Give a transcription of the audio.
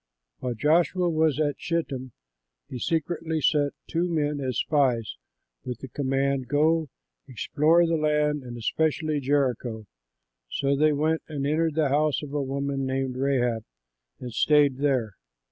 '" While Joshua was at Shittim, he secretly sent two men as spies, with the command: "Go, explore the land and especially Jericho." So they went and entered the house of a woman named Rahab, and stayed there.